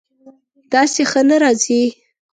داسې ښه نه راځي